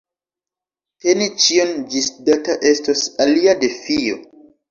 Teni ĉion ĝisdata estos alia defio.